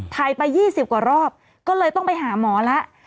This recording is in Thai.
ถ่ายไป๒๐กว่ารอบก็เลยต้องไปหาหมอแล้ว